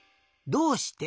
「どうして」